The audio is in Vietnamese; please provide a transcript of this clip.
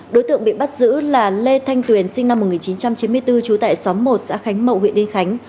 đối tượng bị bắt giữ là lê thanh tuyền sinh năm một nghìn chín trăm chín mươi bốn trú tại xóm một xã khánh mậu huyện yên khánh